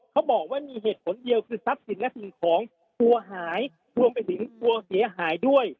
เขาบอกว่ามีเหตุผลเดียวคือทรัพย์สินและสิ่งของกลัวหายรวมไปถึงกลัวเสียหายด้วย